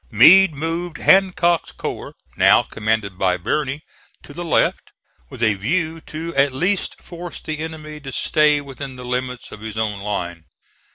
Meade moved Hancock's corps, now commanded by Birney, to the left, with a view to at least force the enemy to stay within the limits of his own line.